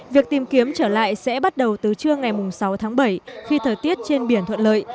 việc tìm kiếm trở lại sẽ bắt đầu từ trưa ngày sáu tháng bảy khi thời tiết trên biển thuận lợi